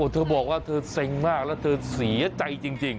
เธอบอกว่าเธอเซ็งมากแล้วเธอเสียใจจริง